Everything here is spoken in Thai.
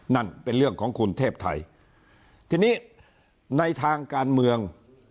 นั่นเป็นเรื่องของคุณเทพไทยทีนี้ในทางการเมือง